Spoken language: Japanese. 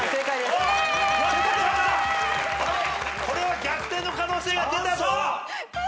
これは逆転の可能性が出たぞ。